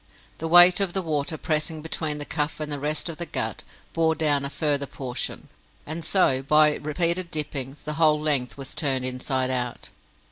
The weight of the water pressing between the cuff and the rest of the gut, bore down a further portion; and so, by repeated dippings, the whole length was turned inside out.